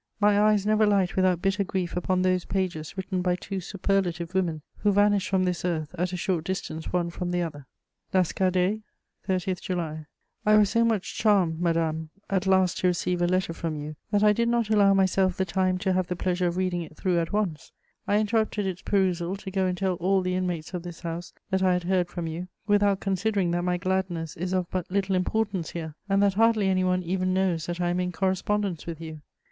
My eyes never light without bitter grief upon those pages written by two superlative women, who vanished from this earth at a short distance one from the other. "LASCARDAIS, 30 July. "I was so much charmed, madame, at last to receive a letter from you that I did not allow myself the time to have the pleasure of reading it through at once: I interrupted its perusal to go and tell all the inmates of this house that I had heard from you, without considering that my gladness is of but little importance here, and that hardly anyone even knows that I am in correspondence with you.